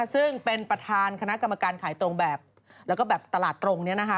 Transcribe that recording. ซึ่งเป็นประธานคณะกรรมการขายตรงแบบแล้วก็แบบตลาดตรงนี้นะคะ